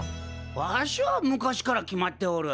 わしは昔から決まっておる。